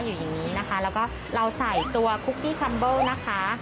อยู่อย่างนี้นะคะแล้วก็เราใส่ตัวคุกกี้คัมเบิ้ลนะคะ